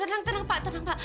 tenang tenang pak tenang pak